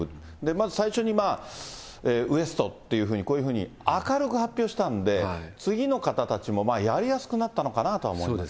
まず最初にまあ、ＷＥＳＴ．っていうふうにこういうふうに明るく発表したんで、次の方たちもやりやすくなったのかなとは思いますね。